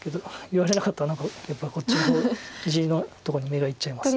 言われなかったら何かやっぱりこっちの方地のとこに目がいっちゃいます。